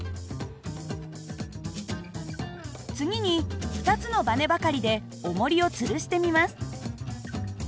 次に２つのばねばかりでおもりをつるしてみます。